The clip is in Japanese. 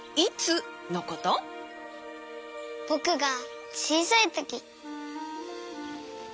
ぼくがちいさいとき。